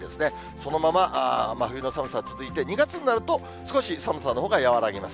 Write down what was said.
そのまま真冬の寒さ続いて、２月になると少し寒さのほうが和らぎます。